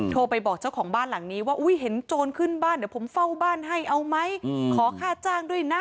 โทรไปบอกเจ้าของบ้านหลังนี้ว่าอุ้ยเห็นโจรขึ้นบ้านเดี๋ยวผมเฝ้าบ้านให้เอาไหมขอค่าจ้างด้วยนะ